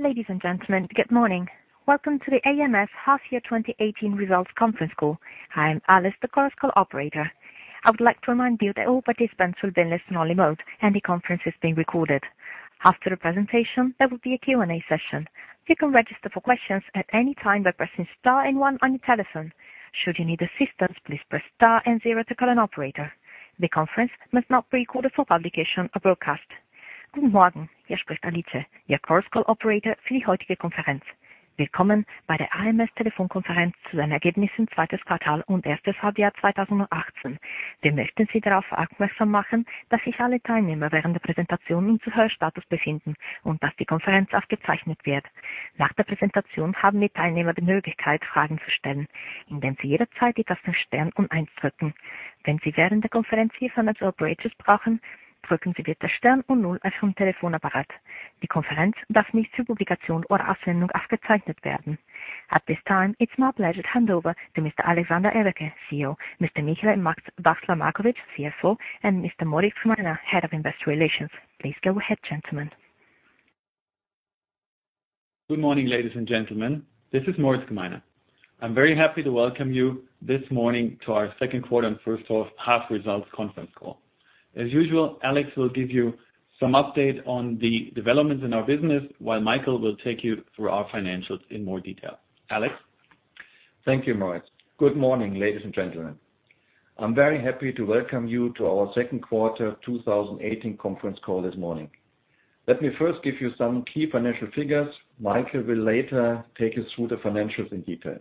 Ladies and gentlemen, good morning. Welcome to the ams half year 2018 results conference call. I am Alice, the conference call operator. I would like to remind you that all participants will be in listen only mode and the conference is being recorded. After the presentation, there will be a Q&A session. You can register for questions at any time by pressing star and one on your telephone. Should you need assistance, please press star and zero to call an operator. The conference must not be recorded for publication or broadcast. At this time, it's my pleasure to hand over to Mr. Alexander Everke, CEO, Mr. Michael Wachsler-Markowitsch, CFO, and Mr. Moritz Gmeiner, Head of Investor Relations. Please go ahead, gentlemen. Good morning, ladies and gentlemen. This is Moritz Gmeiner. I'm very happy to welcome you this morning to our second quarter and first half results conference call. As usual, Alex will give you some update on the developments in our business, while Michael will take you through our financials in more detail. Alex? Thank you, Moritz. Good morning, ladies and gentlemen. I'm very happy to welcome you to our second quarter 2018 conference call this morning. Let me first give you some key financial figures. Michael will later take us through the financials in detail.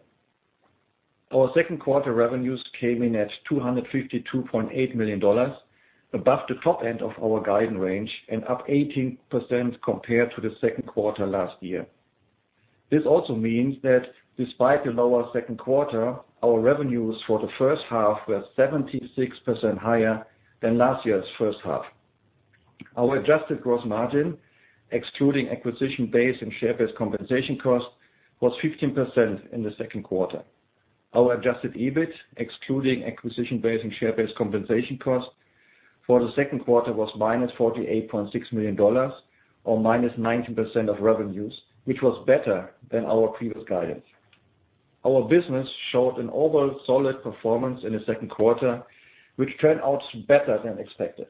Our second quarter revenues came in at $252.8 million, above the top end of our guidance range and up 18% compared to the second quarter last year. This also means that despite the lower second quarter, our revenues for the first half were 76% higher than last year's first half. Our adjusted gross margin, excluding acquisition-based and share-based compensation cost, was 15% in the second quarter. Our adjusted EBIT, excluding acquisition-based and share-based compensation cost for the second quarter was -$48.6 million or -19% of revenues, which was better than our previous guidance. Our business showed an overall solid performance in the second quarter, which turned out better than expected.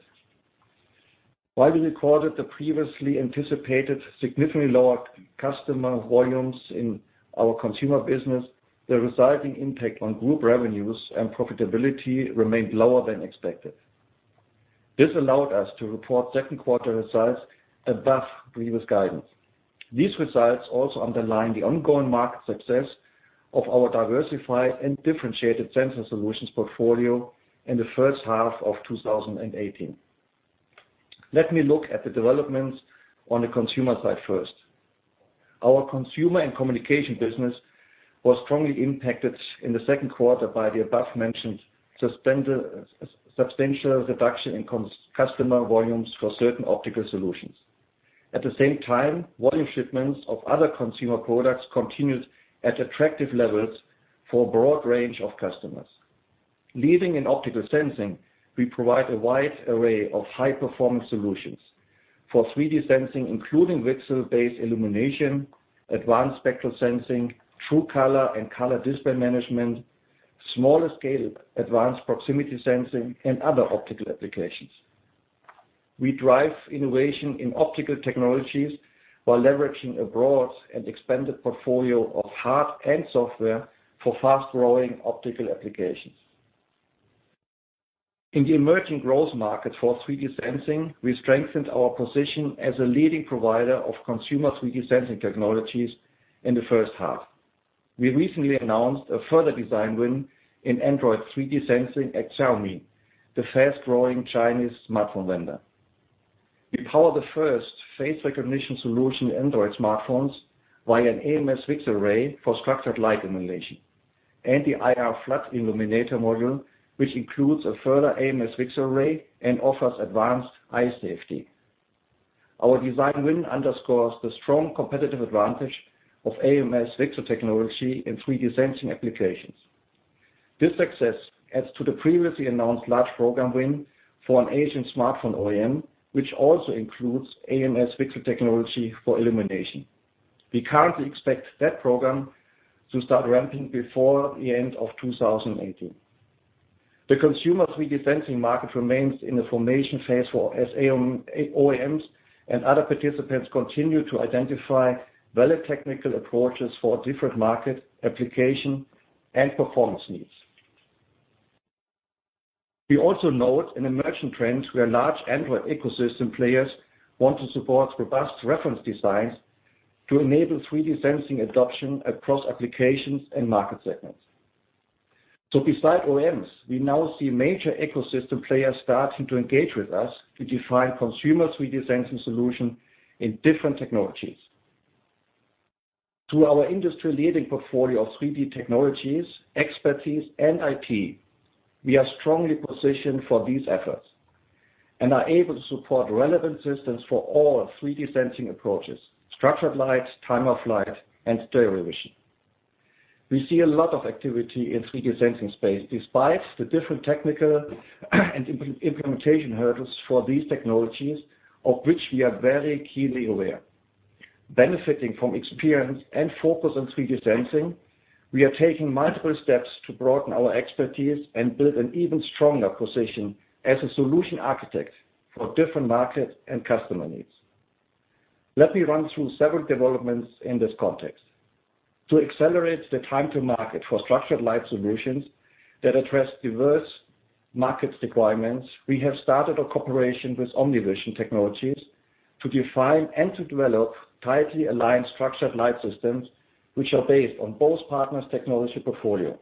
While we recorded the previously anticipated significantly lower customer volumes in our consumer business, the resulting impact on group revenues and profitability remained lower than expected. This allowed us to report second quarter results above previous guidance. These results also underline the ongoing market success of our diversified and differentiated sensor solutions portfolio in the first half of 2018. Let me look at the developments on the consumer side first. Our consumer and communication business was strongly impacted in the second quarter by the above-mentioned substantial reduction in customer volumes for certain optical solutions. At the same time, volume shipments of other consumer products continued at attractive levels for a broad range of customers. Leading in optical sensing, we provide a wide array of high-performing solutions for 3D sensing, including VCSEL-based illumination, advanced spectral sensing, true color and color display management, smaller scale advanced proximity sensing, and other optical applications. We drive innovation in optical technologies while leveraging a broad and expanded portfolio of hard and software for fast-growing optical applications. In the emerging growth market for 3D sensing, we strengthened our position as a leading provider of consumer 3D sensing technologies in the first half. We recently announced a further design win in Android 3D sensing at Xiaomi, the fast-growing Chinese smartphone vendor. We power the first face recognition solution Android smartphones via an ams VCSEL array for structured light illumination and the IR flood illuminator module, which includes a further ams VCSEL array and offers advanced eye safety. Our design win underscores the strong competitive advantage of ams VCSEL technology in 3D sensing applications. This success adds to the previously announced large program win for an Asian smartphone OEM, which also includes ams VCSEL technology for illumination. We currently expect that program to start ramping before the end of 2018. The consumer 3D sensing market remains in the formation phase for OEMs, other participants continue to identify valid technical approaches for different market application and performance needs. We also note an emerging trend where large Android ecosystem players want to support robust reference designs to enable 3D sensing adoption across applications and market segments. Beside OEMs, we now see major ecosystem players starting to engage with us to define consumer 3D sensing solution in different technologies. Through our industry-leading portfolio of 3D technologies, expertise, and IP, we are strongly positioned for these efforts and are able to support relevant systems for all 3D sensing approaches, structured light, time-of-flight, and stereo vision. We see a lot of activity in 3D sensing space, despite the different technical and implementation hurdles for these technologies, of which we are very keenly aware. Benefiting from experience and focus on 3D sensing, we are taking multiple steps to broaden our expertise and build an even stronger position as a solution architect for different market and customer needs. Let me run through several developments in this context. To accelerate the time to market for structured light solutions that address diverse markets requirements, we have started a cooperation with OmniVision Technologies to define and to develop tightly aligned structured light systems, which are based on both partners' technology portfolio.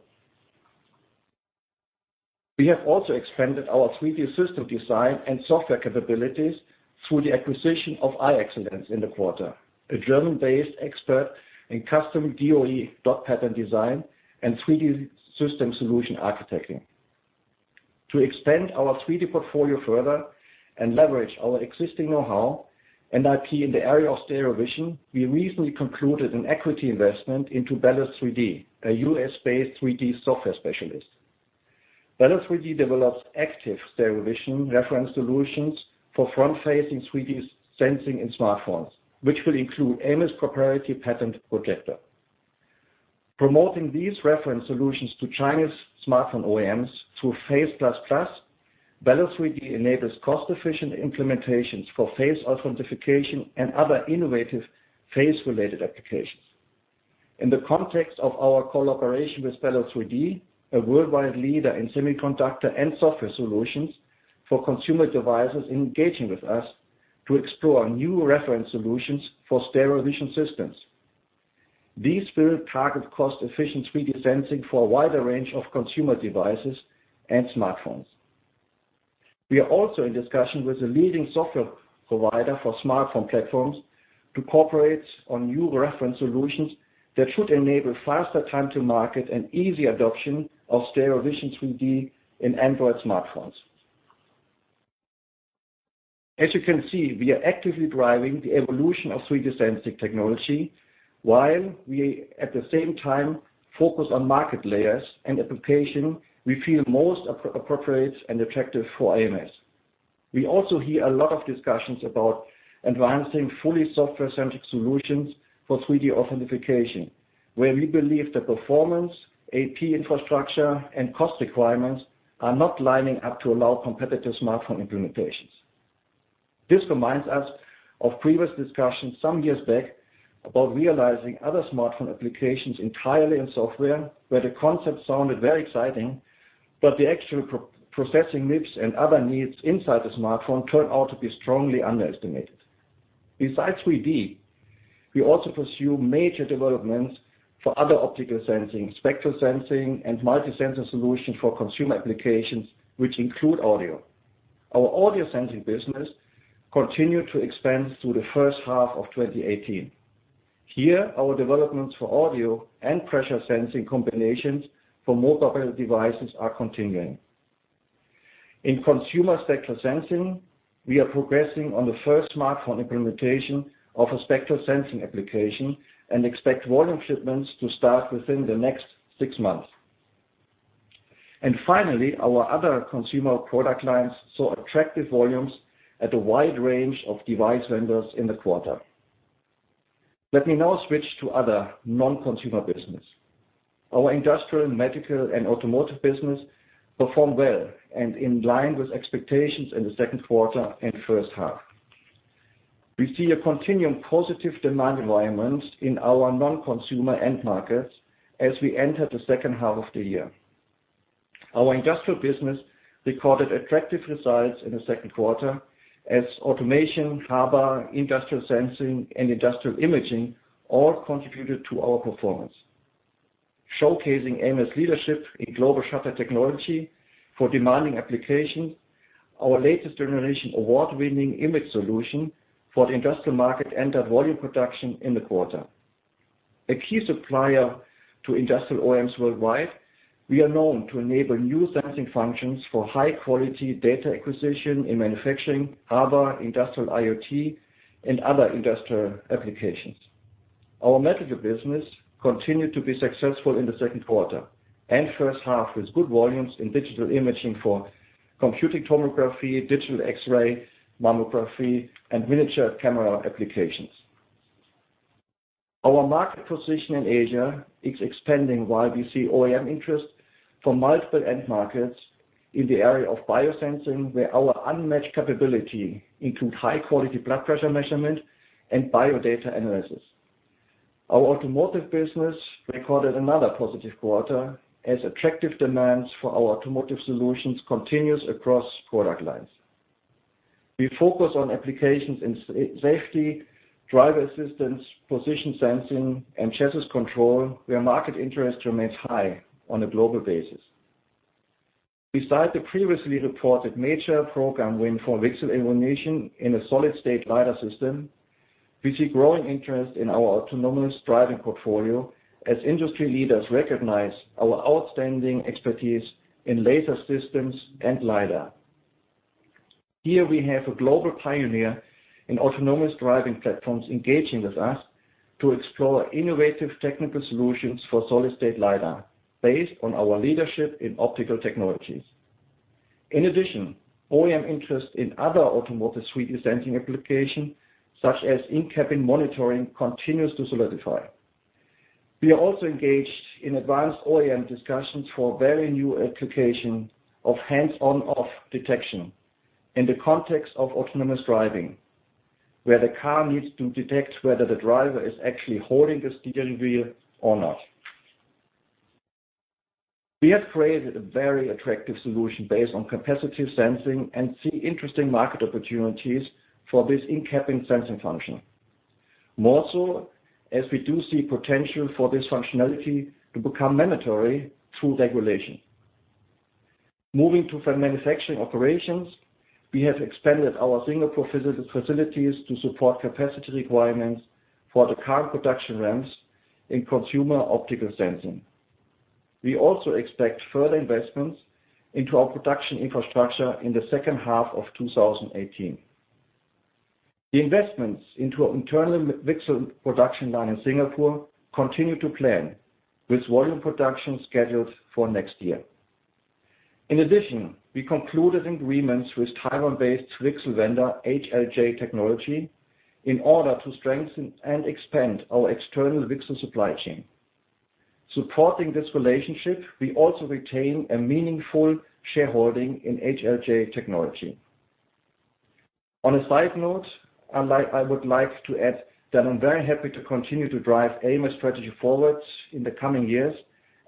We have also expanded our 3D system design and software capabilities through the acquisition of ixellence GmbH in the quarter, a German-based expert in custom DOE dot pattern design and 3D system solution architecting. To expand our 3D portfolio further and leverage our existing knowhow and IP in the area of stereo vision, we recently concluded an equity investment into Bellus3D, a U.S.-based 3D software specialist. Bellus3D develops active stereo vision reference solutions for front-facing 3D sensing in smartphones, which will include ams proprietary pattern projector. Promoting these reference solutions to China's smartphone OEMs through Face++, Bellus3D enables cost-efficient implementations for face authentication and other innovative face-related applications. In the context of our collaboration with Bellus3D, a worldwide leader in semiconductor and software solutions for consumer devices engaging with us to explore new reference solutions for stereo vision systems. These will target cost-efficient 3D sensing for a wider range of consumer devices and smartphones. We are also in discussion with a leading software provider for smartphone platforms to cooperate on new reference solutions that should enable faster time to market and easy adoption of stereo vision 3D in Android smartphones. As you can see, we are actively driving the evolution of 3D sensing technology while we, at the same time, focus on market layers and application we feel most appropriate and attractive for ams. We also hear a lot of discussions about advancing fully software-centric solutions for 3D authentication, where we believe the performance, AP infrastructure, and cost requirements are not lining up to allow competitive smartphone implementations. This reminds us of previous discussions some years back about realizing other smartphone applications entirely in software, where the concept sounded very exciting, but the actual processing MIPS and other needs inside the smartphone turned out to be strongly underestimated. Besides 3D, we also pursue major developments for other optical sensing, spectral sensing, and multi-sensor solutions for consumer applications, which include audio. Our audio sensing business continued to expand through the first half of 2018. Here, our developments for audio and pressure sensing combinations for mobile devices are continuing. In consumer spectral sensing, we are progressing on the first smartphone implementation of a spectral sensing application and expect volume shipments to start within the next six months. Finally, our other consumer product lines saw attractive volumes at a wide range of device vendors in the quarter. Let me now switch to other non-consumer business. Our industrial, medical, and automotive business performed well and in line with expectations in the second quarter and first half. We see a continuing positive demand environment in our non-consumer end markets as we enter the second half of the year. Our industrial business recorded attractive results in the second quarter as automation, HABA, industrial sensing, and industrial imaging all contributed to our performance. Showcasing ams leadership in global shutter technology for demanding applications, our latest generation award-winning image solution for the industrial market entered volume production in the quarter. A key supplier to industrial OEMs worldwide, we are known to enable new sensing functions for high-quality data acquisition in manufacturing, HABA, industrial IoT, and other industrial applications. Our medical business continued to be successful in the second quarter and first half, with good volumes in digital imaging for computed tomography, digital X-ray, mammography, and miniature camera applications. Our market position in Asia is expanding while we see OEM interest for multiple end markets in the area of biosensing, where our unmatched capability includes high-quality blood pressure measurement and bio-data analysis. Our automotive business recorded another positive quarter as attractive demands for our automotive solutions continues across product lines. We focus on applications in safety, driver assistance, position sensing, and chassis control, where market interest remains high on a global basis. Besides the previously reported major program win for VCSEL in a solid state LiDAR system, we see growing interest in our autonomous driving portfolio as industry leaders recognize our outstanding expertise in laser systems and LiDAR. Here we have a global pioneer in autonomous driving platforms engaging with us to explore innovative technical solutions for solid state LiDAR, based on our leadership in optical technologies. In addition, OEM interest in other automotive 3D sensing application, such as in-cabin monitoring, continues to solidify. We are also engaged in advanced OEM discussions for a very new application of hands on-off detection in the context of autonomous driving, where the car needs to detect whether the driver is actually holding the steering wheel or not. We have created a very attractive solution based on capacitive sensing and see interesting market opportunities for this in-cabin sensing function. More so, as we do see potential for this functionality to become mandatory through regulation. Moving to manufacturing operations, we have expanded our Singapore facilities to support capacity requirements for the car production ramps in consumer optical sensing. We also expect further investments into our production infrastructure in the second half of 2018. The investments into our internal VCSEL production line in Singapore continue to plan, with volume production scheduled for next year. In addition, we concluded agreements with Taiwan-based VCSEL vendor HLJ Technology in order to strengthen and expand our external VCSEL supply chain. Supporting this relationship, we also retain a meaningful shareholding in HLJ Technology. On a side note, I would like to add that I'm very happy to continue to drive ams strategy forwards in the coming years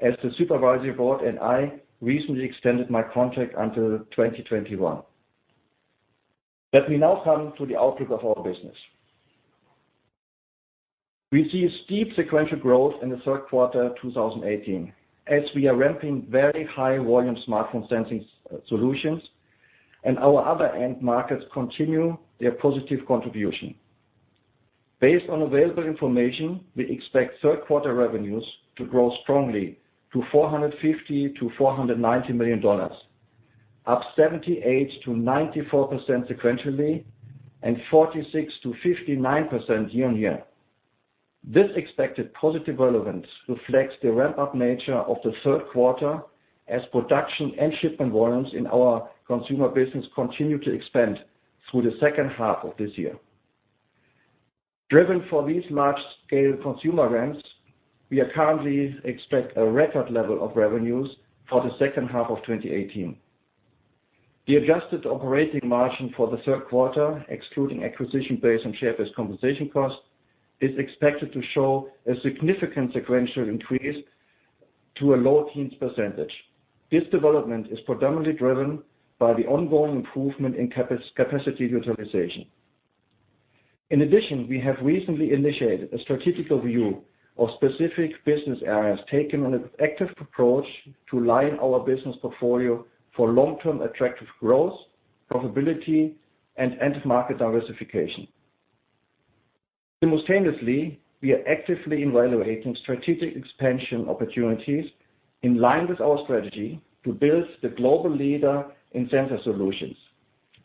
as the supervisory board and I recently extended my contract until 2021. Let me now come to the outlook of our business. We see steep sequential growth in the third quarter 2018 as we are ramping very high volume smartphone sensing solutions and our other end markets continue their positive contribution. Based on available information, we expect third quarter revenues to grow strongly to $450 million-$490 million, up 78%-94% sequentially and 46%-59% year-on-year. This expected positive result reflects the ramp-up nature of the third quarter as production and shipment volumes in our consumer business continue to expand through the second half of this year. Driven for these large-scale consumer ramps, we are currently expect a record level of revenues for the second half of 2018. The adjusted operating margin for the third quarter, excluding acquisition-based and share-based compensation costs, is expected to show a significant sequential increase to a low teens percentage. This development is predominantly driven by the ongoing improvement in capacity utilization. In addition, we have recently initiated a strategic review of specific business areas, taking an active approach to line our business portfolio for long-term attractive growth, profitability and end market diversification. Simultaneously, we are actively evaluating strategic expansion opportunities in line with our strategy to build the global leader in sensor solutions,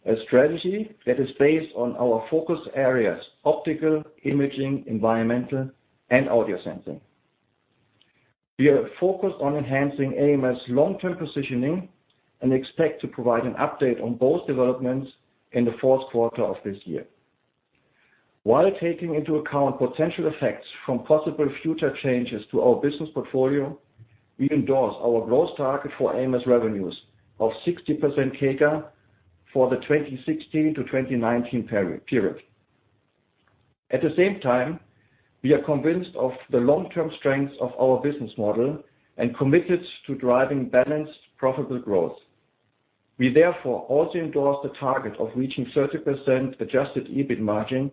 a strategy that is based on our focus areas, optical, imaging, environmental, and audio sensing. We are focused on enhancing ams' long-term positioning and expect to provide an update on both developments in the fourth quarter of this year. While taking into account potential effects from possible future changes to our business portfolio, we endorse our growth target for ams revenues of 60% CAGR for the 2016-2019 period. At the same time, we are convinced of the long-term strengths of our business model and committed to driving balanced, profitable growth. We therefore also endorse the target of reaching 30% adjusted EBIT margin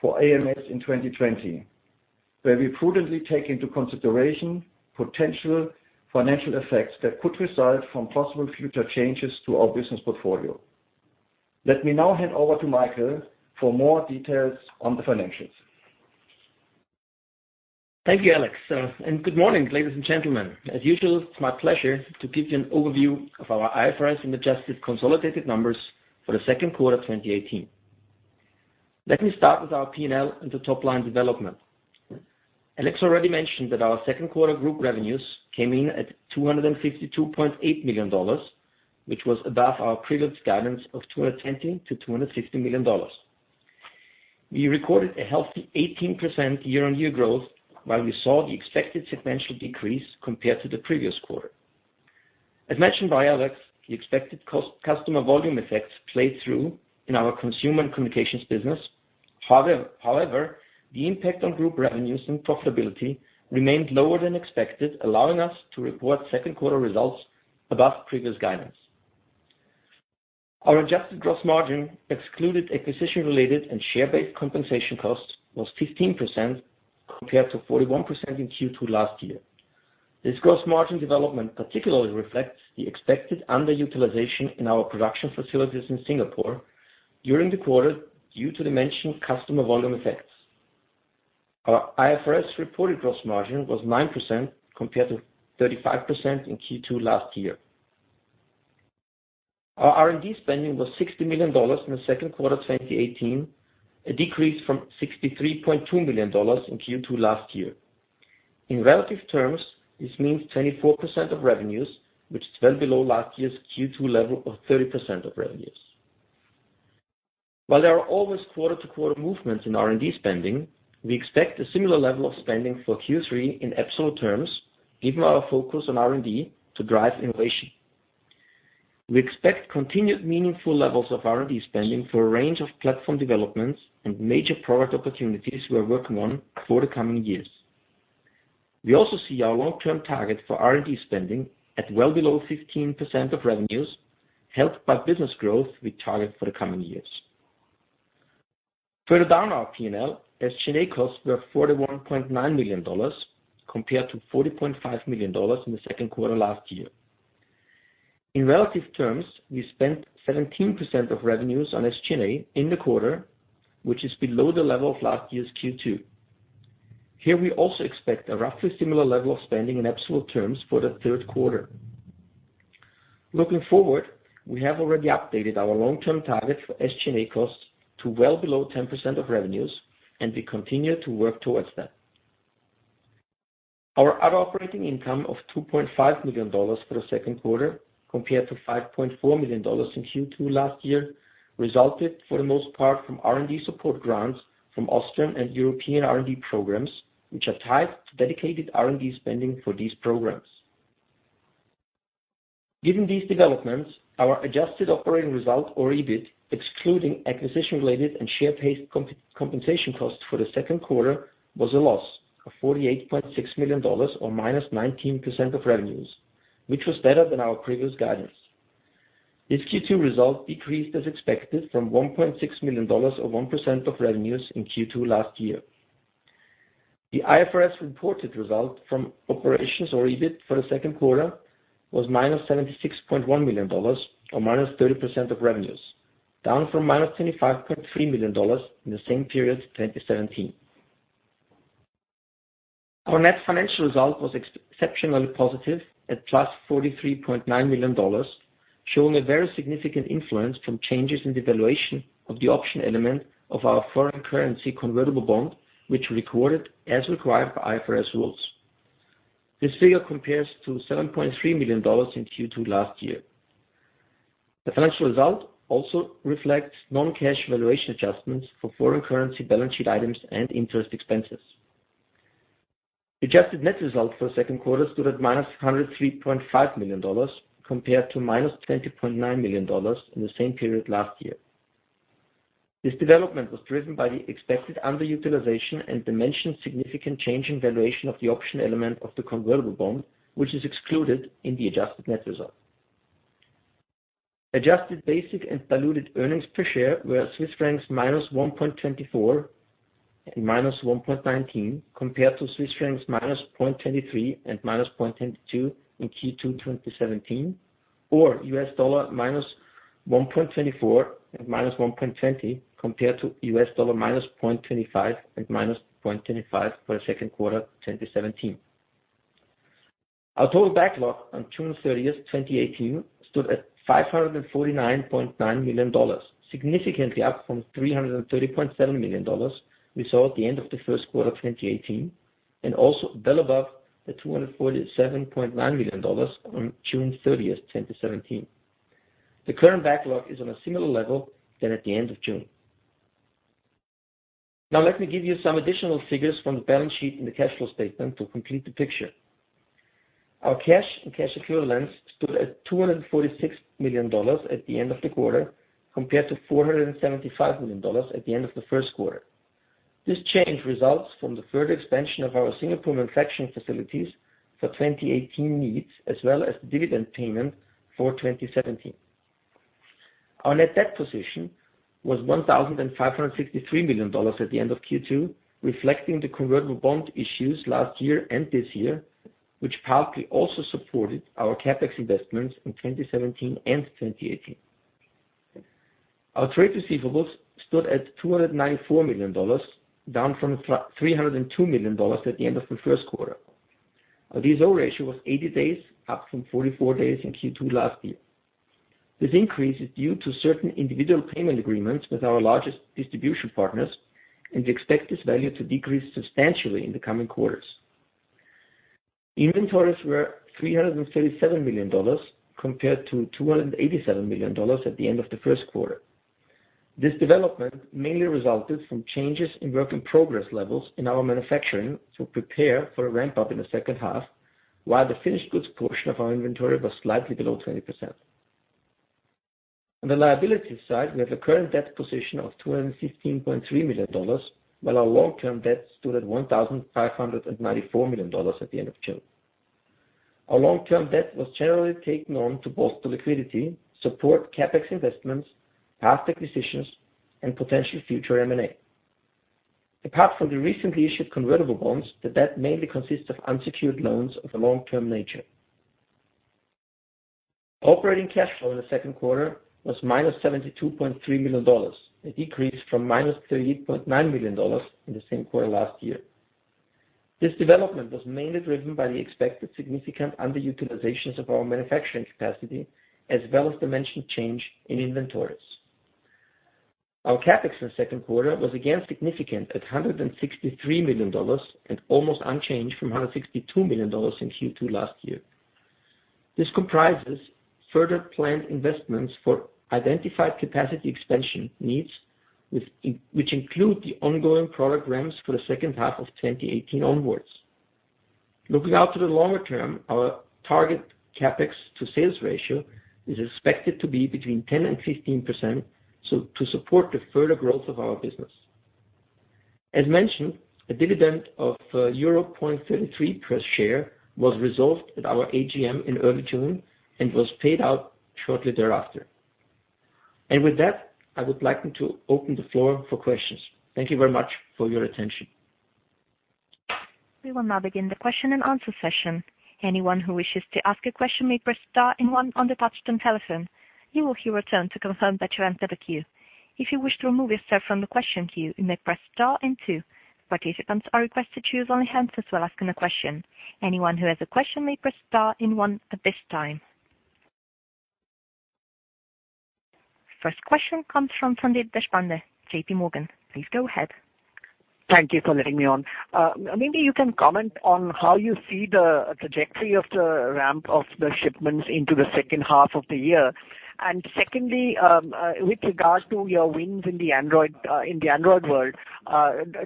for ams in 2020, where we prudently take into consideration potential financial effects that could result from possible future changes to our business portfolio. Let me now hand over to Michael for more details on the financials. Thank you, Alex, and good morning, ladies and gentlemen. As usual, it's my pleasure to give you an overview of our IFRS and adjusted consolidated numbers for the second quarter 2018. Let me start with our P&L and the top line development. Alex already mentioned that our second quarter group revenues came in at $252.8 million, which was above our previous guidance of $220 million-$250 million. We recorded a healthy 18% year-on-year growth, while we saw the expected sequential decrease compared to the previous quarter. As mentioned by Alex, the expected customer volume effects played through in our consumer and communications business. However, the impact on group revenues and profitability remained lower than expected, allowing us to report second quarter results above previous guidance. Our adjusted gross margin excluded acquisition-related and share-based compensation costs was 15% compared to 41% in Q2 last year. This gross margin development particularly reflects the expected underutilization in our production facilities in Singapore during the quarter due to the mentioned customer volume effects. Our IFRS reported gross margin was 9% compared to 35% in Q2 last year. Our R&D spending was $60 million in the second quarter 2018, a decrease from $63.2 million in Q2 last year. In relative terms, this means 24% of revenues, which is well below last year's Q2 level of 30% of revenues. While there are always quarter-to-quarter movements in R&D spending, we expect a similar level of spending for Q3 in absolute terms, given our focus on R&D to drive innovation. We expect continued meaningful levels of R&D spending for a range of platform developments and major product opportunities we are working on for the coming years. We also see our long-term target for R&D spending at well below 15% of revenues, helped by business growth we target for the coming years. Further down our P&L, SG&A costs were $41.9 million compared to $40.5 million in the second quarter last year. In relative terms, we spent 17% of revenues on SG&A in the quarter, which is below the level of last year's Q2. Here we also expect a roughly similar level of spending in absolute terms for the third quarter. Looking forward, we have already updated our long-term target for SG&A costs to well below 10% of revenues, and we continue to work towards that. Our other operating income of $2.5 million for the second quarter compared to $5.4 million in Q2 last year resulted for the most part from R&D support grants from Austrian and European R&D programs, which are tied to dedicated R&D spending for these programs. Given these developments, our adjusted operating result or EBIT, excluding acquisition-related and share-based compensation costs for the second quarter, was a loss of $48.6 million or -19% of revenues, which was better than our previous guidance. This Q2 result decreased as expected from $1.6 million or 1% of revenues in Q2 last year. The IFRS reported result from operations or EBIT for the second quarter was -$76.1 million or -30% of revenues, down from -$25.3 million in the same period in 2017. Our net financial result was exceptionally positive at plus $43.9 million, showing a very significant influence from changes in the valuation of the option element of our foreign currency convertible bond, which we recorded as required by IFRS rules. This figure compares to $7.3 million in Q2 last year. The financial result also reflects non-cash valuation adjustments for foreign currency balance sheet items and interest expenses. Adjusted net result for the second quarter stood at -$103.5 million compared to -$20.9 million in the same period last year. This development was driven by the expected underutilization and the mentioned significant change in valuation of the option element of the convertible bond, which is excluded in the adjusted net result. Adjusted basic and diluted earnings per share were Swiss francs -1.24 and -1.19, compared to Swiss francs -0.23 and -0.22 in Q2 2017, or US dollar -1.24 and -1.20 compared to US dollar -0.25 and -0.25 for the second quarter 2017. Our total backlog on June 30th, 2018, stood at $549.9 million, significantly up from $330.7 million we saw at the end of the first quarter 2018 and also well above the $247.9 million on June 30th, 2017. The current backlog is on a similar level than at the end of June. Let me give you some additional figures from the balance sheet and the cash flow statement to complete the picture. Our cash and cash equivalents stood at $246 million at the end of the quarter compared to $475 million at the end of the first quarter. This change results from the further expansion of our Singapore manufacturing facilities for 2018 needs as well as the dividend payment for 2017. Our net debt position was $1,563 million at the end of Q2, reflecting the convertible bond issues last year and this year, which partly also supported our CapEx investments in 2017 and 2018. Our trade receivables stood at $294 million, down from $302 million at the end of the first quarter. Our DSO ratio was 80 days, up from 44 days in Q2 last year. This increase is due to certain individual payment agreements with our largest distribution partners, and we expect this value to decrease substantially in the coming quarters. Inventories were $337 million compared to $287 million at the end of the first quarter. This development mainly resulted from changes in work-in-progress levels in our manufacturing to prepare for a ramp-up in the second half, while the finished goods portion of our inventory was slightly below 20%. On the liability side, we have a current debt position of EUR 215.3 million, while our long-term debt stood at EUR 1,594 million at the end of June. Our long-term debt was generally taken on to bolster liquidity, support CapEx investments, past acquisitions, and potential future M&A. Apart from the recently issued convertible bonds, the debt mainly consists of unsecured loans of a long-term nature. Operating cash flow in the second quarter was EUR -72.3 million, a decrease from EUR -38.9 million in the same quarter last year. This development was mainly driven by the expected significant underutilizations of our manufacturing capacity, as well as the mentioned change in inventories. Our CapEx for the second quarter was again significant at EUR 163 million and almost unchanged from EUR 162 million in Q2 last year. This comprises further planned investments for identified capacity expansion needs, which include the ongoing product ramps for the second half of 2018 onwards. Looking out to the longer term, our target CapEx to sales ratio is expected to be between 10% and 15%, to support the further growth of our business. As mentioned, a dividend of 0.33 euro per share was resolved at our AGM in early June and was paid out shortly thereafter. With that, I would like to open the floor for questions. Thank you very much for your attention. We will now begin the question and answer session. Anyone who wishes to ask a question may press star and one on the touchtone telephone. You will hear a tone to confirm that you entered the queue. If you wish to remove yourself from the question queue, you may press star and two. Participants are requested to use only one handset while asking a question. Anyone who has a question may press star and one at this time. First question comes from Sandeep Deshpande, J.P. Morgan. Please go ahead. Thank you for letting me on. Maybe you can comment on how you see the trajectory of the ramp of the shipments into the second half of the year. Secondly, with regards to your wins in the Android world,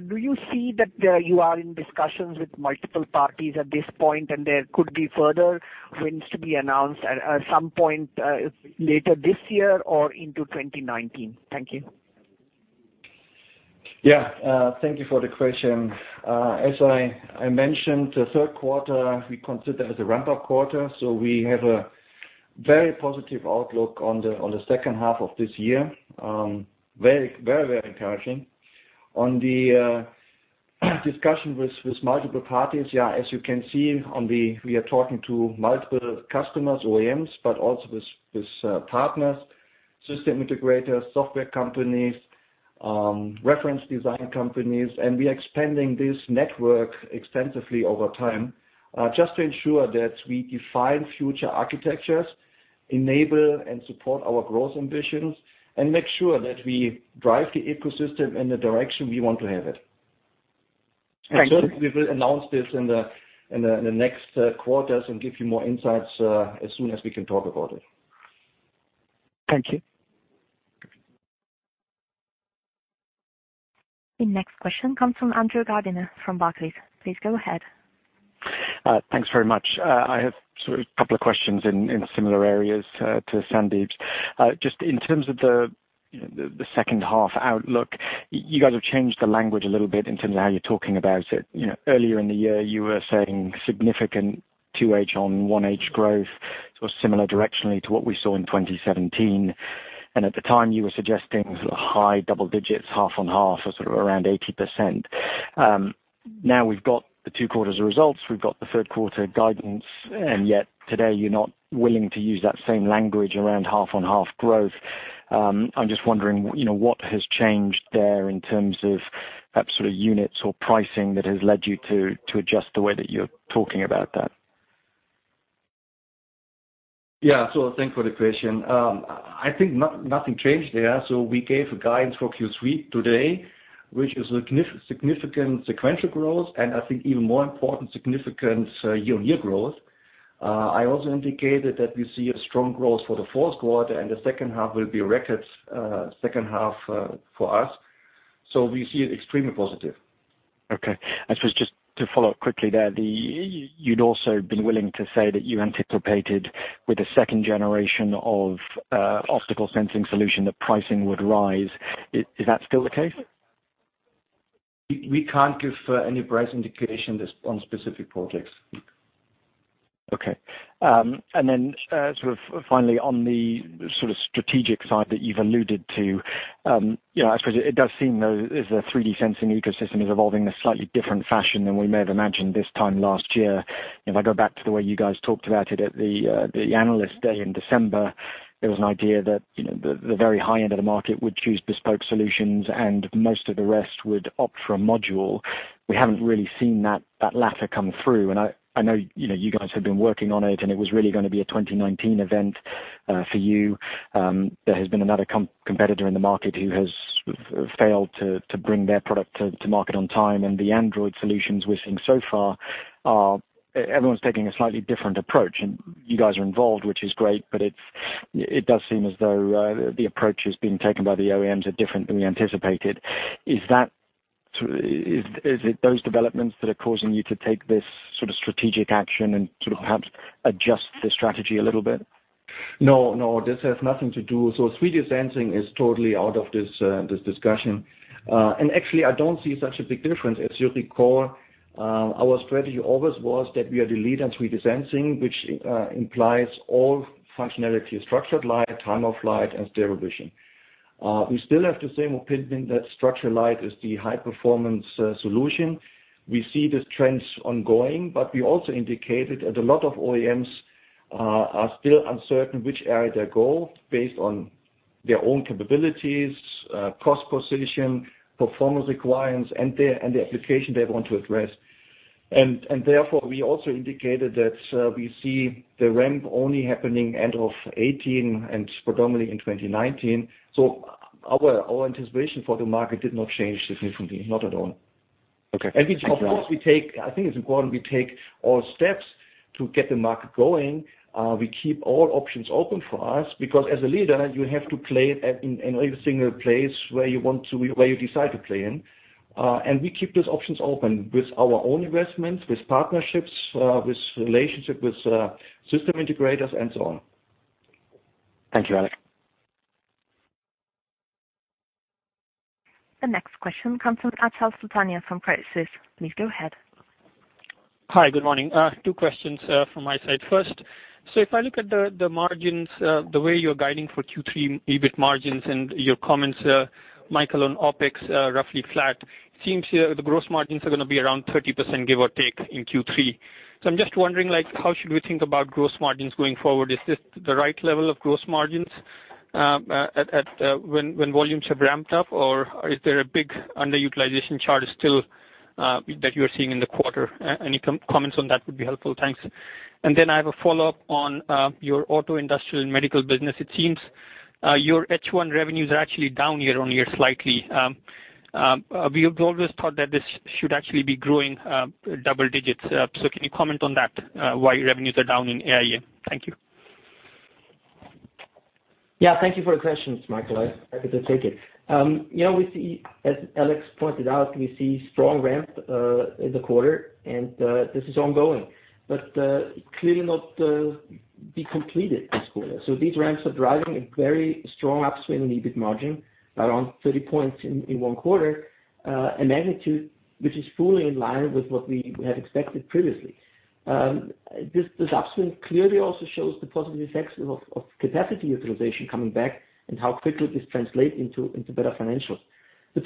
do you see that you are in discussions with multiple parties at this point, and there could be further wins to be announced at some point later this year or into 2019? Thank you. Yeah. Thank you for the question. As I mentioned, the third quarter, we consider as a ramp-up quarter. We have a very positive outlook on the second half of this year. Very encouraging. On the discussion with multiple parties, yeah, as you can see, we are talking to multiple customers, OEMs, but also with partners, system integrators, software companies, reference design companies. We are expanding this network extensively over time, just to ensure that we define future architectures, enable and support our growth ambitions, and make sure that we drive the ecosystem in the direction we want to have it. Thank you. Certainly, we will announce this in the next quarters and give you more insights as soon as we can talk about it. Thank you. The next question comes from Andrew Gardiner from Barclays. Please go ahead. Thanks very much. I have sort of a couple of questions in similar areas to Sandeep's. Just in terms of the second half outlook, you guys have changed the language a little bit in terms of how you're talking about it. Earlier in the year, you were saying significant 2H-on-1H growth, sort of similar directionally to what we saw in 2017. At the time, you were suggesting high double digits, half-on-half or sort of around 80%. Now we've got the two quarters of results, we've got the third quarter guidance. Yet today you're not willing to use that same language around half-on-half growth. I'm just wondering what has changed there in terms of sort of units or pricing that has led you to adjust the way that you're talking about that. Yeah. Thank you for the question. I think nothing changed there. We gave a guidance for Q3 today, which is a significant sequential growth. I think even more important, significant year-on-year growth. I also indicated that we see a strong growth for the fourth quarter. The second half will be a record second half for us. We see it extremely positive. Okay. I suppose just to follow up quickly there, you'd also been willing to say that you anticipated with the second generation of optical sensing solution, that pricing would rise. Is that still the case? We can't give any price indication on specific projects. Then sort of finally, on the sort of strategic side that you've alluded to. I suppose it does seem, though, as the 3D sensing ecosystem is evolving in a slightly different fashion than we may have imagined this time last year. If I go back to the way you guys talked about it at the Analyst Day in December, there was an idea that the very high end of the market would choose bespoke solutions and most of the rest would opt for a module. We haven't really seen that latter come through, and I know you guys have been working on it, and it was really going to be a 2019 event for you. There has been another competitor in the market who has failed to bring their product to market on time, and the Android solutions we're seeing so far are everyone's taking a slightly different approach. You guys are involved, which is great, but it does seem as though the approaches being taken by the OEMs are different than we anticipated. Is it those developments that are causing you to take this sort of strategic action and sort of perhaps adjust the strategy a little bit? 3D sensing is totally out of this discussion. Actually, I don't see such a big difference. At the core, our strategy always was that we are the lead on 3D sensing, which implies all functionality, structured light, time-of-flight, and stereo vision. We still have the same opinion that structured light is the high-performance solution. We see these trends ongoing. We also indicated that a lot of OEMs are still uncertain which area they go based on their own capabilities, cost position, performance requirements, and the application they want to address. Therefore, we also indicated that we see the ramp only happening end of 2018 and predominantly in 2019. Our anticipation for the market did not change significantly, not at all. Okay. Thanks, Alex. Of course, I think it's important we take all steps to get the market going. We keep all options open for us because as a leader, you have to play in every single place where you decide to play in. We keep those options open with our own investments, with partnerships, with relationship with system integrators, and so on. Thank you, Alex. The next question comes from Achal Sultania from Credit Suisse. Please go ahead. Hi, good morning. Two questions from my side. First, if I look at the margins, the way you're guiding for Q3 EBIT margins and your comments, Michael, on OpEx are roughly flat, it seems the gross margins are going to be around 30%, give or take, in Q3. I'm just wondering, how should we think about gross margins going forward? Is this the right level of gross margins when volumes have ramped up, or is there a big underutilization chart still that you're seeing in the quarter? Any comments on that would be helpful. Thanks. I have a follow-up on your Auto, Industrial, and Medical business. It seems your H1 revenues are actually down year-on-year slightly. We have always thought that this should actually be growing double digits. Can you comment on that, why your revenues are down in AIM? Thank you. Yeah, thank you for the questions, Michael. I'm happy to take it. As Alex pointed out, we see strong ramp in the quarter, and this is ongoing, but clearly not be completed this quarter. These ramps are driving a very strong upswing in EBIT margin, around 30 points in one quarter, a magnitude which is fully in line with what we had expected previously. This upswing clearly also shows the positive effects of capacity utilization coming back and how quickly this translate into better financials.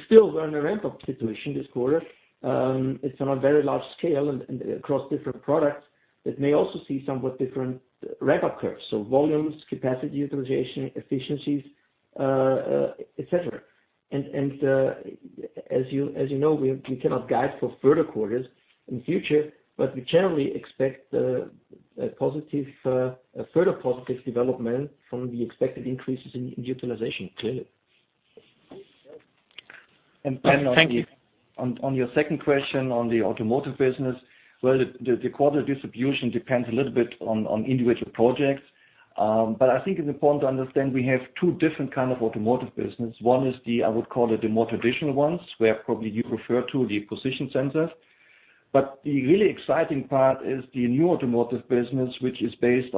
Still, we're in a ramp-up situation this quarter. It's on a very large scale and across different products that may also see somewhat different ramp-up curves. Volumes, capacity utilization, efficiencies, et cetera. As you know, we cannot guide for further quarters in the future, but we generally expect a further positive development from the expected increases in utilization, clearly. Thank you. On your second question on the automotive business, well, the quarter distribution depends a little bit on individual projects. I think it's important to understand we have two different kind of automotive business. One is the, I would call it the more traditional ones, where probably you refer to the position sensors. The really exciting part is the new automotive business, which is based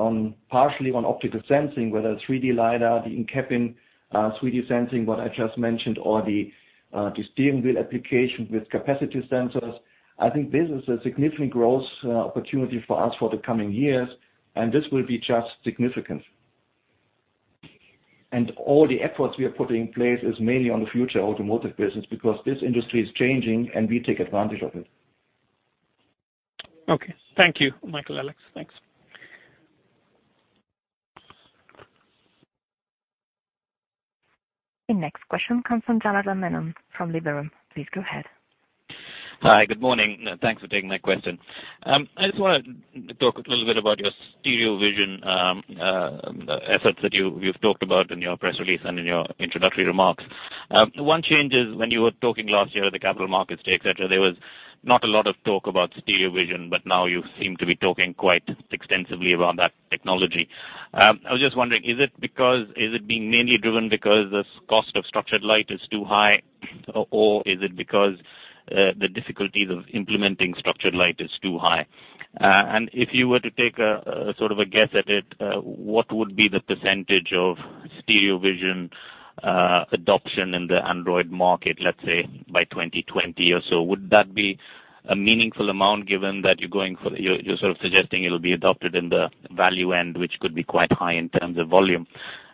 partially on optical sensing, whether 3D LiDAR, the in-cabin 3D sensing, what I just mentioned, or the steering wheel application with capacitive sensors. I think this is a significant growth opportunity for us for the coming years, and this will be just significant. All the efforts we are putting in place is mainly on the future automotive business because this industry is changing, and we take advantage of it. Okay. Thank you, Michael, Alex. Thanks. The next question comes from Janardan Menon from Liberum. Please go ahead. Hi. Good morning. Thanks for taking my question. I just want to talk a little bit about your stereo vision efforts that you've talked about in your press release and in your introductory remarks. One change is when you were talking last year at the Capital Markets Day, et cetera, there was not a lot of talk about stereo vision, but now you seem to be talking quite extensively around that technology. I was just wondering, is it being mainly driven because the cost of structured light is too high, or is it because the difficulties of implementing structured light is too high? If you were to take a sort of a guess at it, what would be the percentage of stereo vision adoption in the Android market, let's say by 2020 or so? Would that be a meaningful amount given that you're sort of suggesting it'll be adopted in the value end, which could be quite high in terms of volume?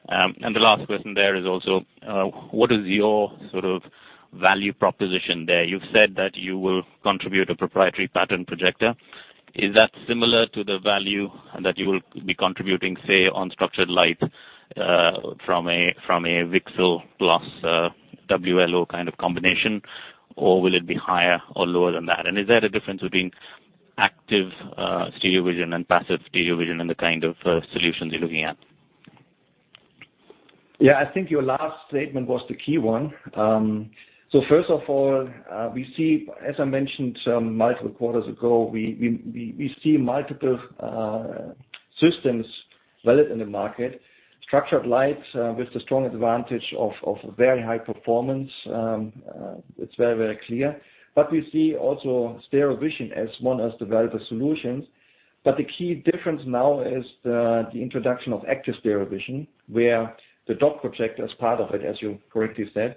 The last question there is also, what is your sort of value proposition there? You've said that you will contribute a proprietary pattern projector. Is that similar to the value that you will be contributing, say, on structured light from a VCSEL plus WLO kind of combination, or will it be higher or lower than that? Is there a difference between active stereo vision and passive stereo vision and the kind of solutions you're looking at? I think your last statement was the key one. First of all, as I mentioned multiple quarters ago, we see multiple systems valid in the market. Structured light with the strong advantage of very high performance. It's very, very clear. We see also stereo vision as one of the valuable solutions. The key difference now is the introduction of active stereo vision, where the dot projector is part of it, as you correctly said,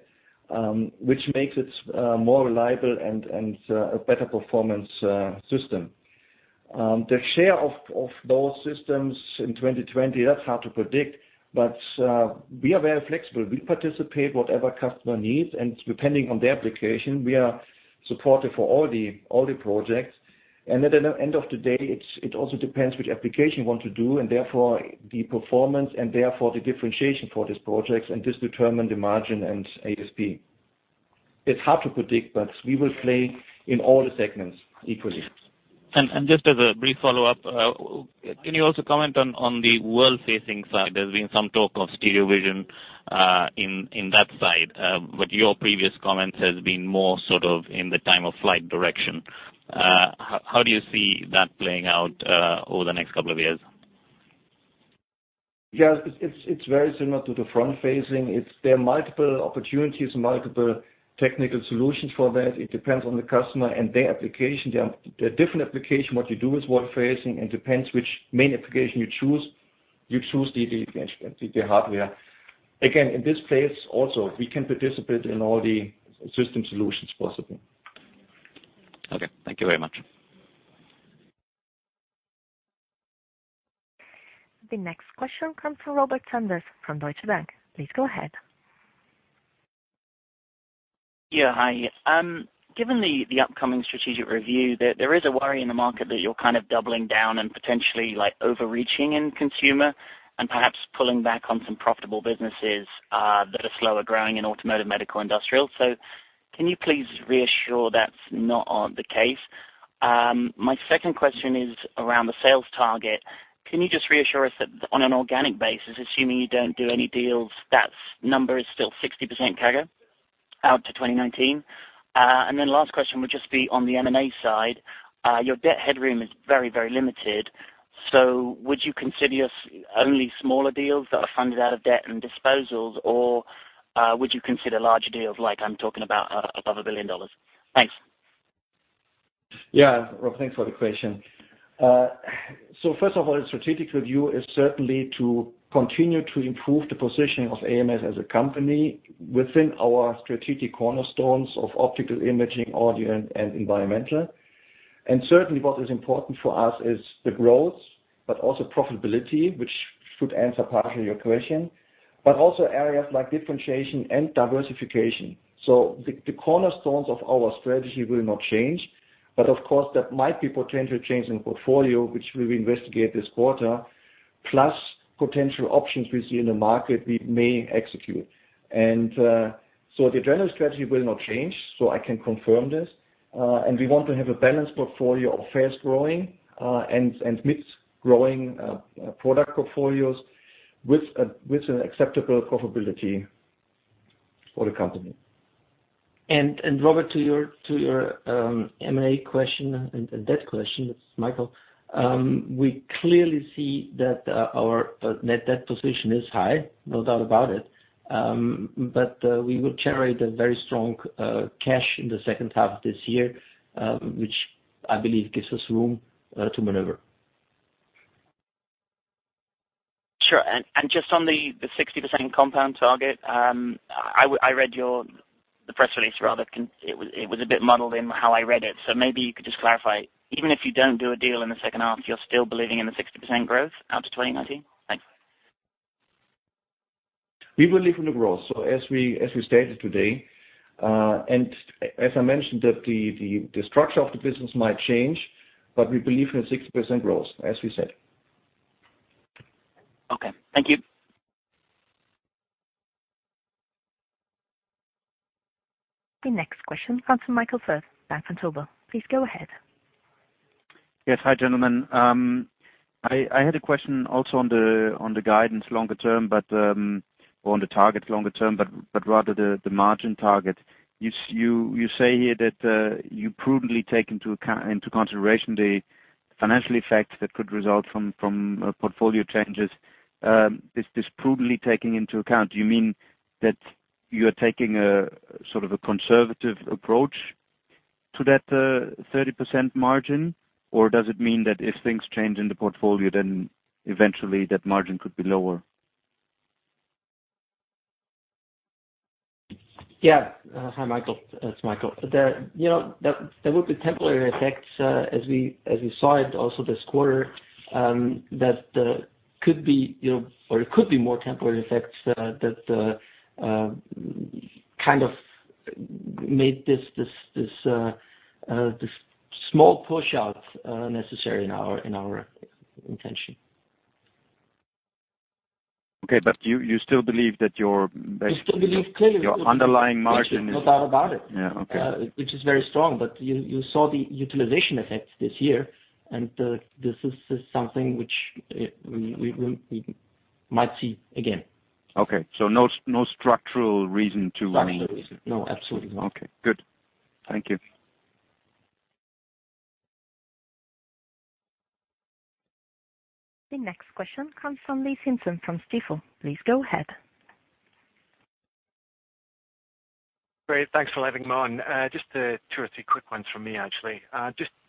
which makes it more reliable and a better performance system. The share of those systems in 2020, that's hard to predict. We are very flexible. We participate whatever customer needs, and depending on the application, we are supportive for all the projects. At the end of the day, it also depends which application you want to do and therefore the performance and therefore the differentiation for these projects, and this determine the margin and ASP. It's hard to predict, we will play in all the segments equally. Just as a brief follow-up, can you also comment on the world-facing side? There's been some talk of stereo vision in that side. Your previous comments has been more sort of in the time-of-flight direction. How do you see that playing out over the next couple of years? Yes, it's very similar to the front-facing. There are multiple opportunities and multiple technical solutions for that. It depends on the customer and their application. There are different application, what you do with world-facing, and depends which main application you choose, you choose the hardware. Again, in this place also, we can participate in all the system solutions possible. Okay. Thank you very much. The next question comes from Robert Sanders from Deutsche Bank. Please go ahead. Yeah. Hi. Given the upcoming strategic review, there is a worry in the market that you're kind of doubling down and potentially overreaching in consumer and perhaps pulling back on some profitable businesses that are slower growing in automotive, medical, industrial. Can you please reassure that's not the case? My second question is around the sales target. Can you just reassure us that on an organic basis, assuming you don't do any deals, that number is still 60% CAGR out to 2019? Last question would just be on the M&A side. Your debt headroom is very limited, so would you consider only smaller deals that are funded out of debt and disposals, or would you consider larger deals like I'm talking about above EUR 1 billion? Thanks. Yeah. Rob, thanks for the question. First of all, strategic review is certainly to continue to improve the positioning of ams as a company within our strategic cornerstones of optical imaging, audio, and environmental. Certainly what is important for us is the growth, but also profitability, which should answer partially your question, but also areas like differentiation and diversification. The cornerstones of our strategy will not change. Of course, there might be potential change in portfolio, which we will investigate this quarter, plus potential options we see in the market we may execute. The general strategy will not change, so I can confirm this. We want to have a balanced portfolio of fast-growing, and mixed growing product portfolios with an acceptable profitability for the company. Robert, to your M&A question and debt question, this is Michael. We clearly see that our net debt position is high, no doubt about it. We will generate a very strong cash in the second half this year, which I believe gives us room to maneuver. Sure. Just on the 60% compound target, I read your, the press release rather, it was a bit muddled in how I read it, so maybe you could just clarify. Even if you don't do a deal in the second half, you're still believing in the 60% growth out to 2019? Thanks. We believe in the growth. As we stated today, and as I mentioned that the structure of the business might change, but we believe in a 60% growth, as we said. Okay. Thank you. The next question comes from Michael Firth, Bank of America. Please go ahead. Hi, gentlemen. I had a question also on the guidance longer term, or on the target longer term, but rather the margin target. You say here that you prudently take into consideration the financial effects that could result from portfolio changes. This prudently taking into account, do you mean that you're taking a sort of a conservative approach to that 30% margin, or does it mean that if things change in the portfolio, then eventually that margin could be lower? Hi, Michael. It's Michael. There will be temporary effects, as we saw it also this quarter, or it could be more temporary effects that kind of made this small push-out necessary in our intention. Okay, you still believe that? We still believe clearly. Your underlying margin? No doubt about it. Yeah. Okay. Which is very strong, but you saw the utilization effects this year, and this is something which we might see again. Okay. No structural reason to- Structural reason. No, absolutely not. Okay, good. Thank you. The next question comes from Lee Simpson from Stifel. Please go ahead. Great. Thanks for letting me on. Just two or three quick ones from me, actually.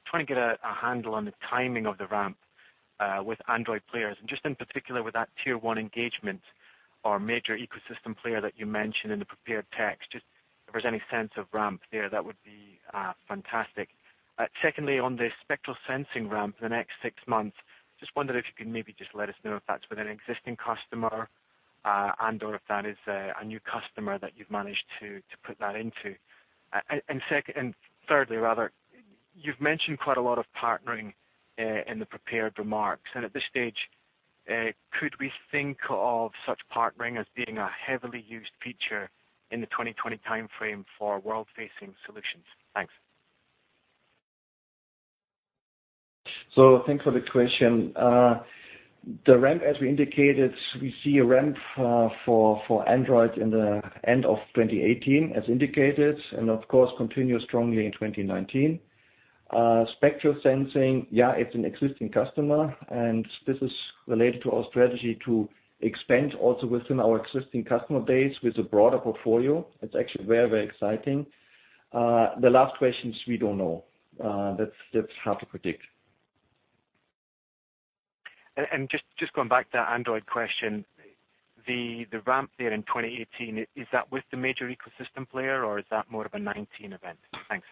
Just trying to get a handle on the timing of the ramp with Android players, just in particular with that Tier 1 engagement or major ecosystem player that you mentioned in the prepared text, just if there's any sense of ramp there, that would be fantastic. Secondly, on the spectral sensing ramp for the next six months, just wondered if you could maybe just let us know if that's with an existing customer, and/or if that is a new customer that you've managed to put that into. Thirdly, you've mentioned quite a lot of partnering in the prepared remarks, and at this stage, could we think of such partnering as being a heavily used feature in the 2020 timeframe for world-facing solutions? Thanks. Thanks for the question. The ramp, as we indicated, we see a ramp for Android in the end of 2018, as indicated, and of course continues strongly in 2019. Spectral sensing, yeah, it's an existing customer. This is related to our strategy to expand also within our existing customer base with a broader portfolio. It's actually very, very exciting. The last questions, we don't know. That's hard to predict. Just going back to that Android question, the ramp there in 2018, is that with the major ecosystem player or is that more of a 2019 event? Thanks.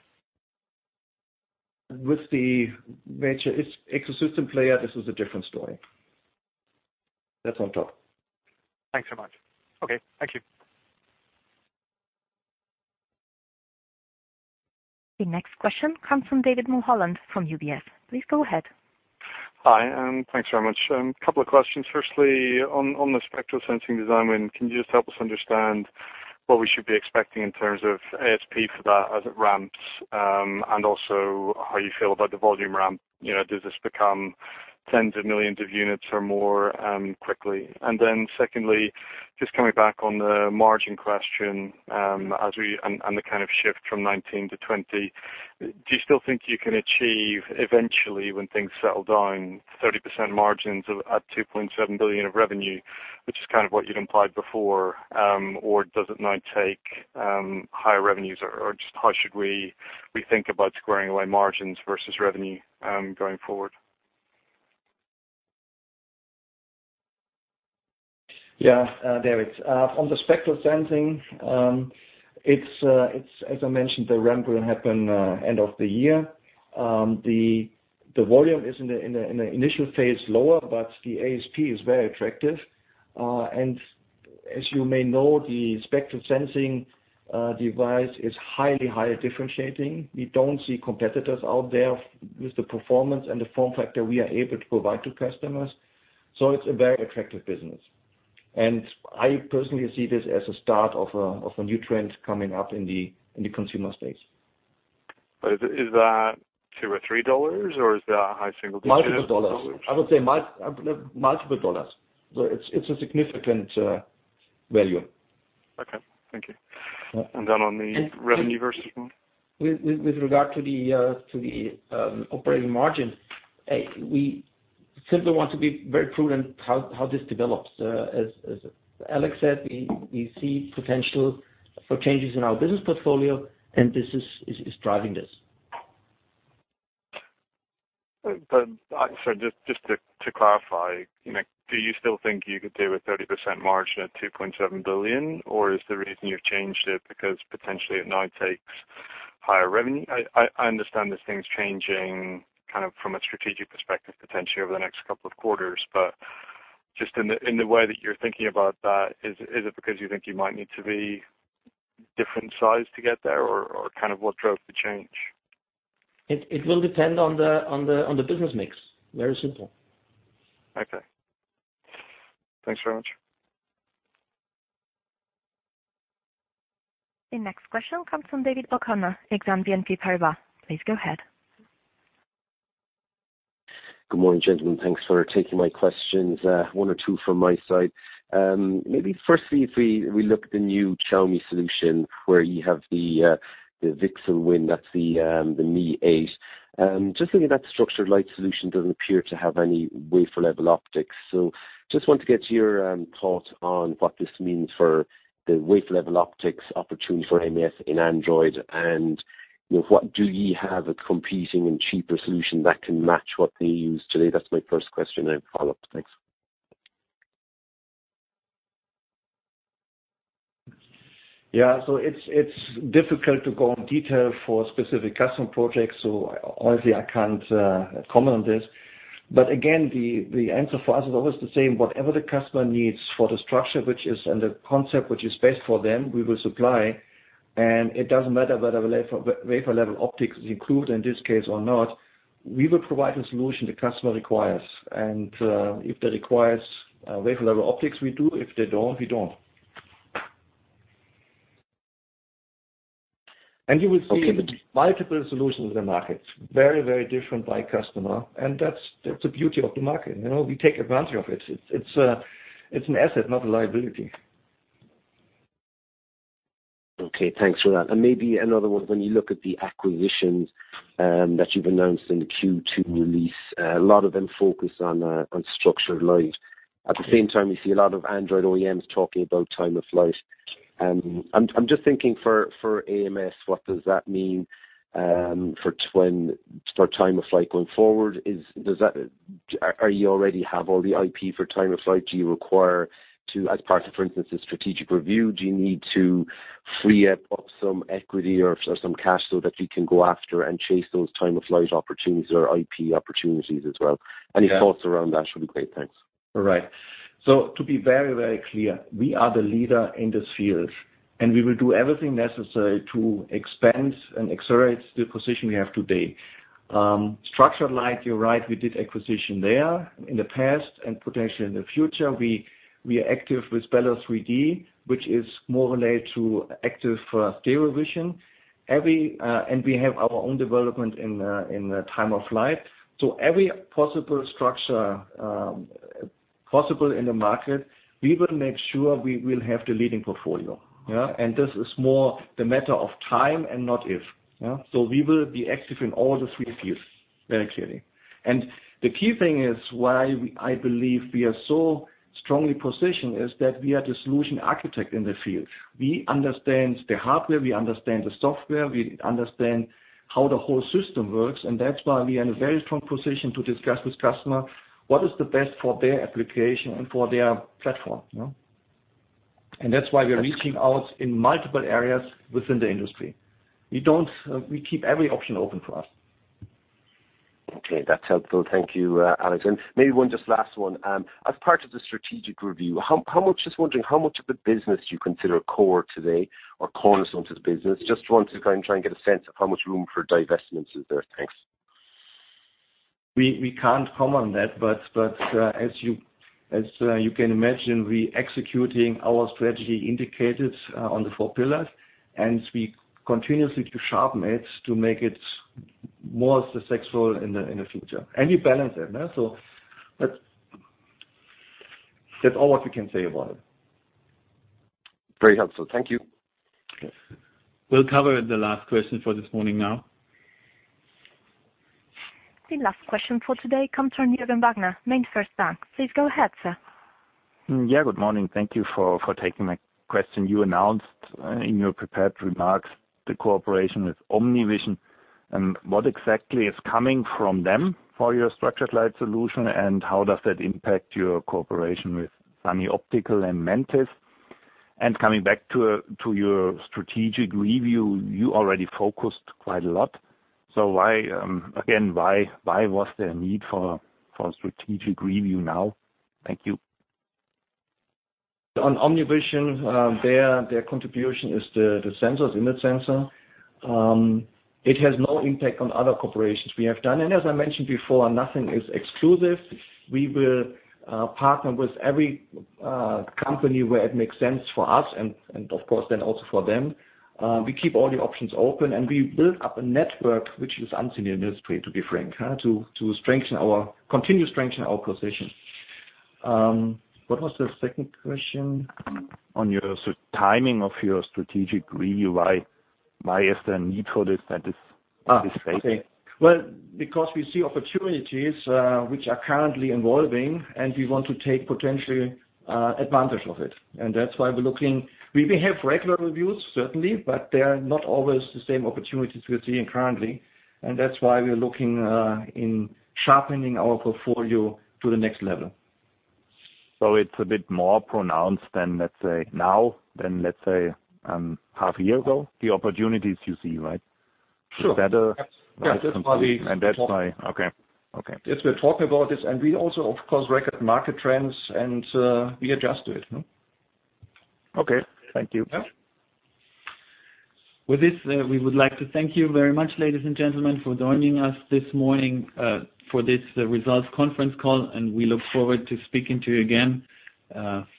With the major ecosystem player, this is a different story. That's on top. Thanks so much. Okay. Thank you. The next question comes from David Mulholland from UBS. Please go ahead. Hi, thanks very much. Couple of questions. Firstly, on the spectral sensing design win, can you just help us understand what we should be expecting in terms of ASP for that as it ramps? Also how you feel about the volume ramp. Does this become tens of millions of units or more, quickly? Secondly, just coming back on the margin question, and the kind of shift from 2019 to 2020, do you still think you can achieve eventually, when things settle down, 30% margins at 2.7 billion of revenue, which is kind of what you'd implied before, or does it now take higher revenues? Just how should we think about squaring away margins versus revenue, going forward? Yeah. David, on the spectral sensing, it's as I mentioned, the ramp will happen end of the year. The volume is in the initial phase lower, the ASP is very attractive. As you may know, the spectral sensing device is highly differentiating. We don't see competitors out there with the performance and the form factor we are able to provide to customers. It's a very attractive business. I personally see this as a start of a new trend coming up in the consumer space. Is that 2 or EUR 3, or is that a high single digit? Multiple EUR. I would say multiple EUR. It's a significant value. Okay. Thank you. Then on the revenue versus margin. With regard to the operating margin, we simply want to be very prudent how this develops. As Alex said, we see potential for changes in our business portfolio, and this is driving this. Sorry, just to clarify, do you still think you could do a 30% margin at 2.7 billion, or is the reason you've changed it because potentially it now takes higher revenue? I understand this thing's changing kind of from a strategic perspective, potentially over the next couple of quarters, but just in the way that you're thinking about that, is it because you think you might need to be different size to get there, or kind of what drove the change? It will depend on the business mix. Very simple. Okay. Thanks very much. The next question comes from Jérôme Bodin, Exane BNP Paribas. Please go ahead. Good morning, gentlemen. Thanks for taking my questions. One or two from my side. Maybe firstly, if we look at the new Xiaomi solution where you have the VCSEL win, that's the Mi 8. Just looking at that structured light solution doesn't appear to have any wafer level optics. Just want to get your thought on what this means for the wafer level optics opportunity for ams in Android. What do you have a competing and cheaper solution that can match what they use today? That's my first question, and follow-up. Thanks. It's difficult to go in detail for specific customer projects. Honestly, I can't comment on this. Again, the answer for us is always the same. Whatever the customer needs for the structure, and the concept which is best for them, we will supply. It doesn't matter whether the wafer level optics is included in this case or not. We will provide the solution the customer requires. If they requires wafer level optics, we do. If they don't, we don't. Okay. multiple solutions in the market, very, very different by customer, and that's the beauty of the market. We take advantage of it. It's an asset, not a liability. Okay. Thanks for that. Maybe another one, when you look at the acquisitions that you've announced in the Q2 release, a lot of them focus on structured light. At the same time, you see a lot of Android OEMs talking about time-of-flight. I'm just thinking for ams, what does that mean for time-of-flight going forward? You already have all the IP for time-of-flight. Do you require to, as part of, for instance, strategic review, do you need to free up some equity or some cash so that you can go after and chase those time-of-flight opportunities or IP opportunities as well? Yeah. Any thoughts around that would be great. Thanks. All right. To be very clear, we are the leader in this field, and we will do everything necessary to expand and accelerate the position we have today. Structured light, you're right, we did acquisition there in the past and potentially in the future. We are active with Bellus3D, which is more related to active stereo vision. We have our own development in time-of-flight. Every possible structure possible in the market, we will make sure we will have the leading portfolio. Yeah. This is more the matter of time and not if. We will be active in all the three fields, very clearly. The key thing is why I believe we are so strongly positioned is that we are the solution architect in the field. We understand the hardware, we understand the software, we understand how the whole system works, and that's why we are in a very strong position to discuss with customer what is the best for their application and for their platform. That's why we're reaching out in multiple areas within the industry. We keep every option open for us. Okay. That's helpful. Thank you, Alex. Maybe one just last one. As part of the strategic review, just wondering how much of the business do you consider core today or cornerstone to the business? Just want to kind of try and get a sense of how much room for divestments is there. Thanks. We can't comment on that, but as you can imagine, we executing our strategy indicators on the four pillars, and we continuously to sharpen it to make it more successful in the future. We balance it. That's all what we can say about it. Very helpful. Thank you. Okay. We'll cover the last question for this morning now. The last question for today comes from Jürgen Wagner, MainFirst Bank. Please go ahead, sir. Good morning. Thank you for taking my question. You announced in your prepared remarks the cooperation with OmniVision and what exactly is coming from them for your structured light solution, and how does that impact your cooperation with Sunny Optical and Mantis Vision? Coming back to your strategic review, you already focused quite a lot. Again, why was there a need for a strategic review now? Thank you. On OmniVision, their contribution is the sensors, image sensor. It has no impact on other collaborations we have done. As I mentioned before, nothing is exclusive. We will partner with every company where it makes sense for us and of course then also for them. We keep all the options open, and we build up a network which is unseen in the industry, to be frank, to continue to strengthen our position. What was the second question? On your timing of your strategic review, why is there a need for this at this phase? Okay. Well, because we see opportunities, which are currently evolving, and we want to take potentially advantage of it. That's why we have regular reviews, certainly, but they are not always the same opportunities we are seeing currently, and that's why we are looking in sharpening our portfolio to the next level. It's a bit more pronounced than, let's say, now, than, let's say, half a year ago, the opportunities you see, right? Sure. Is that? Yeah. That's why. That's why. Okay. Yes, we are talking about this, and we also, of course, record market trends and we adjust to it. Okay. Thank you. Yeah. With this, we would like to thank you very much, ladies and gentlemen, for joining us this morning for this results conference call. We look forward to speaking to you again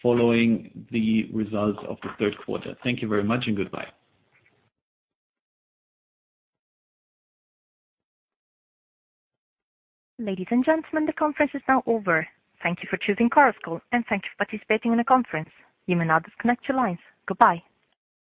following the results of the third quarter. Thank you very much. Goodbye. Ladies and gentlemen, the conference is now over. Thank you for choosing Chorus Call. Thank you for participating in the conference. You may now disconnect your lines. Goodbye.